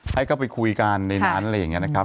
ให้เข้าไปคุยกันในนั้นอะไรอย่างนี้นะครับ